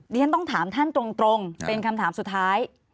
เรียนต้องถามท่านตรงเป็นคำถามสุดท้าย